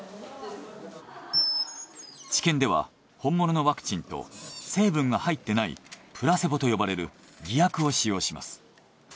治験では本物のワクチンと成分が入ってないプラセボと呼ばれる偽薬を使用します。